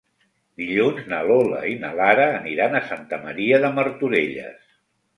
Dilluns na Lola i na Lara aniran a Santa Maria de Martorelles.